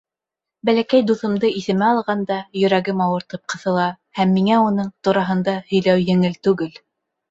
Бәләкәй дуҫымды иҫемә алғанда, йөрәгем ауыртып ҡыҫыла, һәм миңә уның тураһында һөйләү еңел түгел.